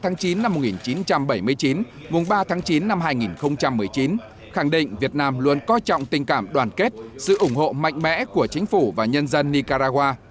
nguồn ba chín một nghìn chín trăm bảy mươi chín nguồn ba chín hai nghìn một mươi chín khẳng định việt nam luôn coi trọng tình cảm đoàn kết sự ủng hộ mạnh mẽ của chính phủ và nhân dân nicaragua